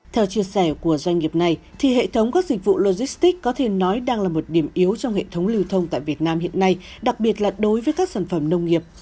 theo chia sẻ của doanh nghiệp này thì hệ thống các dịch vụ logistics có thể nói đang là một điểm yếu trong hệ thống lưu thông tại việt nam hiện nay đặc biệt là đối với các sản phẩm nông nghiệp